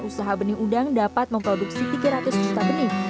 usaha benih udang dapat memproduksi tiga ratus juta benih